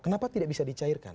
kenapa tidak bisa dicairkan